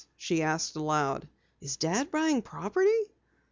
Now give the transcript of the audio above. she asked aloud. "Is Dad buying property?"